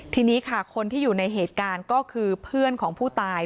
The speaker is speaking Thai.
ทีนี้ค่ะคนที่อยู่ในเหตุการณ์ก็คือเพื่อนของผู้ตาย